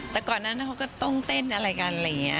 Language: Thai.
แต่ก่อนนั้นเขาก็ต้องเต้นอะไรกันอะไรอย่างนี้